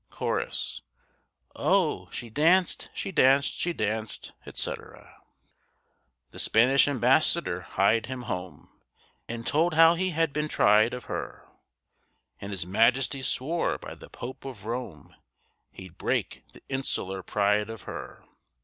Cho.—Oh! she danced, she danced, she danced, etc. The Spanish ambassador hied him home, And told how he had been tried of her; And His Majesty swore by the Pope of Rome, He'd break the insular pride of her.